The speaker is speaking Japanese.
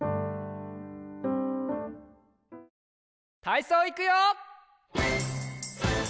たいそういくよ！